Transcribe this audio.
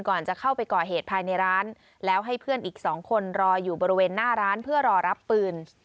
ก่อนจะเข้าไปก่อเหตุภายในร้านแล้วให้เพื่อนอีกสองคนรออยู่บริเวณหน้าร้านเพื่อรอรับปืน